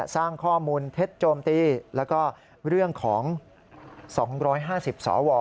สร้างข้อมูลเท็จโจมตีแล้วก็เรื่องของ๒๕๐สว